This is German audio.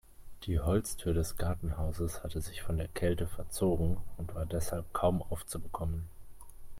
Die Holztür des Gartenhauses hatte sich von der Kälte verzogen und war deshalb kaum aufzubekommen.